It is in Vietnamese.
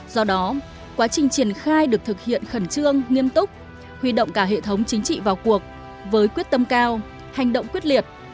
do đó quá trình triển khai được thực hiện khẩn trương nghiêm túc huy động cả hệ thống chính trị vào cuộc với quyết tâm cao hành động quyết liệt